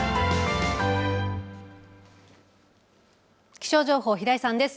気象情報、平井さんです。